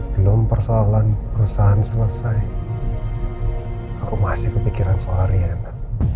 belum persoalan perusahaan selesai aku masih kepikiran soal rehena